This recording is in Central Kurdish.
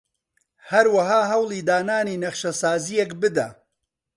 هەروەها هەوڵی دانانی نەخشەسازییەک بدە